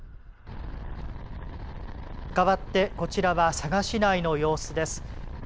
かわって、こちらは佐賀市内の様子です。